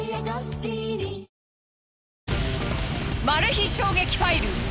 「マル秘衝撃ファイル」